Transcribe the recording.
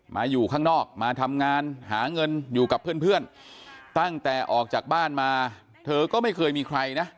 อยู่ข้างนอกมาทำงานหาเงินอยู่กับเพื่อนตั้งแต่ออกจากบ้านมาเธอก็ไม่เคยมีใครนะ